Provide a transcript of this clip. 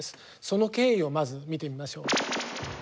その経緯をまず見てみましょう。